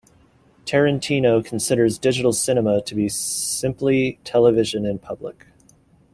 Tarantino considers digital cinema to be simply television in public.